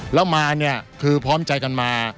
แล้วมาเนี่ยคือพร้อมใจกันมา